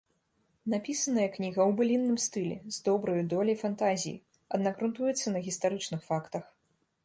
Напісаная кніга ў былінным стылі, з добраю доляю фантазіі, аднак грунтуецца на гістарычных фактах.